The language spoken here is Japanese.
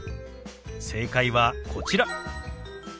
正解はこちら。